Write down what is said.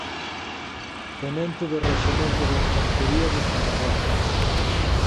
Tenente do Rexemento de Infantería de Zaragoza.